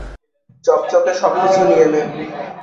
চকচকে সবকিছু নিয়ে নে।